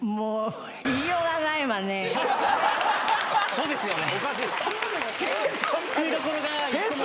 そうですよね。